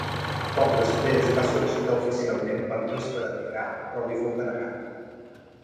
Poc després, va sol·licitar oficialment permís per emigrar, però li fou denegat.